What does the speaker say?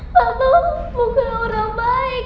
tentu muka orang baik